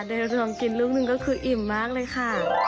โดยรวมกินลูกหนึ่งก็คืออิ่มมากเลยค่ะ